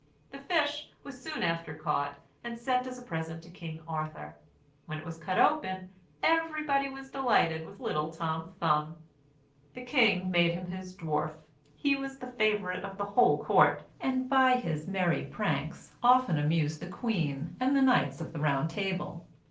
The fish was soon after caught, and sent as a present to King Arthur. When it was cut open, every body was delighted with little Tom Thumb. The king made him his dwarf; he was the favourite of the whole court; and, by his merry pranks, often amused the queen and the knights of the Round Table.